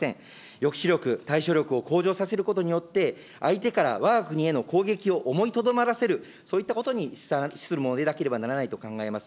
抑止力、対処力を向上させることによって、相手からわが国への攻撃を思いとどまらせる、そういったことに資するものでなければならないと考えます。